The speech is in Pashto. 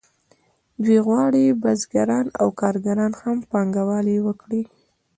دوی غواړي بزګران او کارګران هم پانګوالي وکړي